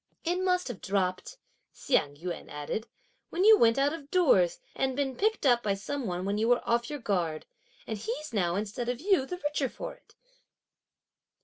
"It must have dropped," Hsiang yün added, "when you went out of doors, and been picked up by some one when you were off your guard; and he's now, instead of you, the richer for it."